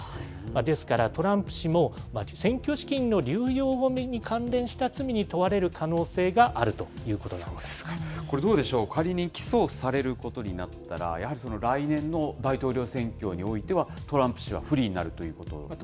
ですから、トランプ氏も、選挙資金の流用面に関連した罪に問われる可能性があるということなんでこれ、どうでしょう、仮に起訴されることになったら、やはり来年の大統領選挙においては、トランプ氏は不利になるということですか。